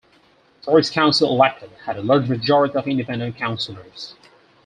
The first council elected had a large majority of independent councillors.